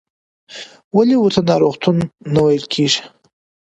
ولې ورته ناروغتون نه ویل کېږي؟